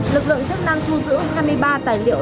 lực lượng chức năng thu giữ hai mươi ba tài liệu